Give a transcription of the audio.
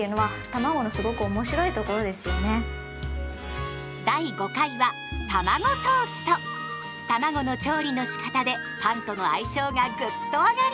たまごの調理のしかたでパンとの相性がグッと上がります。